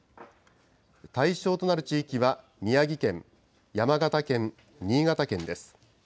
対象となる地域は宮城県、山形県、新潟県です。